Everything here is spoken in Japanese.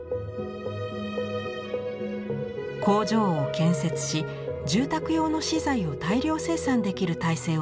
工場を建設し住宅用の資材を大量生産できる体制を整えました。